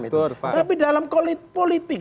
tapi dalam politik